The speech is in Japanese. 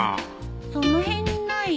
その辺にない？